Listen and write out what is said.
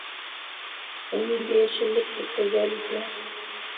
—Был ниндәй йәшеллек? —тип ҡуйҙы Әлисә.